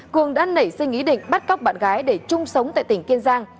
cường đã nảy sinh ý định bắt cóc bạn gái để chung sống tại tỉnh kiên giang